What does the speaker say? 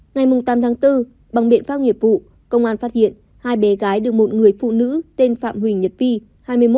ngày tám tháng bốn bằng biện pháp nghiệp vụ công an phát hiện hai bé gái được một người phụ nữ tên phạm huỳnh nhật vi hai mươi một tuổi